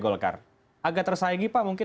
golkar agak tersaingi pak mungkin